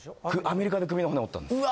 アメリカで首の骨折ったんです。